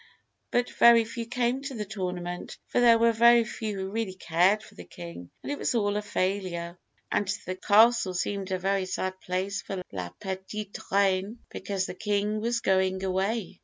But very few came to the tournament, for there were very few who really cared for the King, and it was all a failure, and the Castle seemed a very sad place for La Petite Reine, because the King was going away."